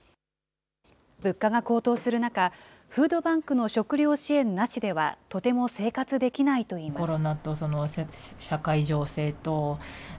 物価が高騰する中、フードバンクの食料支援なしでは、とても生活できないといいます。